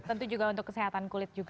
tentu juga untuk kesehatan kulit juga